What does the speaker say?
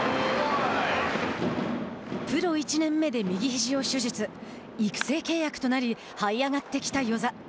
プロ１年目で右ひじを手術育成契約となりはい上がってきた與座。